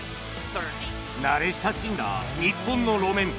慣れ親しんだ日本の路面